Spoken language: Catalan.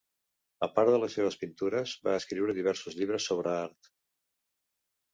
A part de les seves pintures, va escriure diversos llibres sobre art.